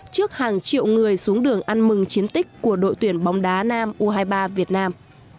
trước hàng triệu người xuống đường ăn mừng chiến tích của đội tuyển bóng đá nam u hai mươi ba việt nam